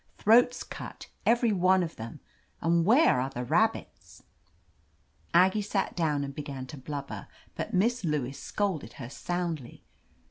^'Throats cut, every one of them ! And where are the rabbits ?" Aggie sat down and began to blubber, but Miss Lewis scolded her soundly.